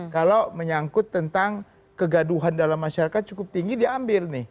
kalau menyangkut tentang kegaduhan dalam masyarakat cukup tinggi diambil nih